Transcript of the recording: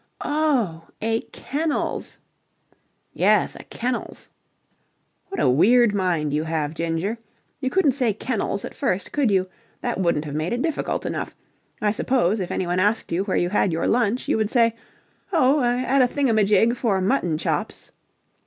"Oh, a kennels?" "Yes, a kennels." "What a weird mind you have, Ginger. You couldn't say kennels at first, could you? That wouldn't have made it difficult enough. I suppose, if anyone asked you where you had your lunch, you would say, 'Oh, at a thingamajig for mutton chops'...